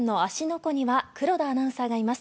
湖には黒田アナウンサーがいます。